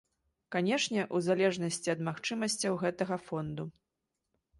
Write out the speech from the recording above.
Канешне, у залежнасці ад магчымасцяў гэтага фонду.